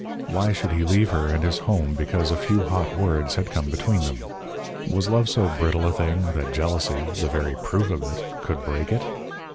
Why should he leave her and his home because a few hot words had come between them? Was love so brittle a thing that jealousy, the very proof of it, could break it?